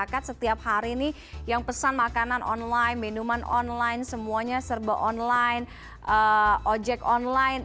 masyarakat setiap hari nih yang pesan makanan online minuman online semuanya serba online ojek online